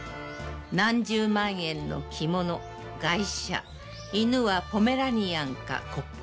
何十万円の着物、外車、犬はポメラニアンかコッカ